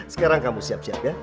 sekarang kamu siap siap ya